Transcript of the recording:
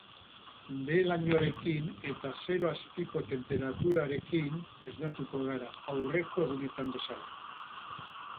Behe-lainoarekin eta zero azpiko tenperaturarekin esnatuko gara, aurreko egunetan bezala.